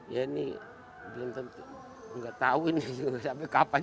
ya ini belum tentu nggak tahu ini sampai kapan